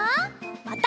また。